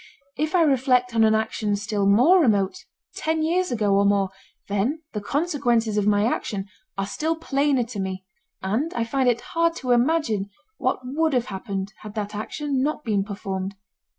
If I reflect on an action still more remote, ten years ago or more, then the consequences of my action are still plainer to me and I find it hard to imagine what would have happened had that action not been performed.